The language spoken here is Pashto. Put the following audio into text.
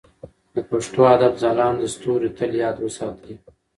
د پښتو ادب ځلانده ستوري تل یاد وساتئ.